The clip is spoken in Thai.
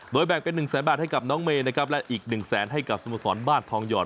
โดยแบกเป็น๑๐๐๐๐๐บาทให้กับน้องเมย์และอีก๑๐๐๐๐๐บาทให้กับสมสรรบ้านทองหยอด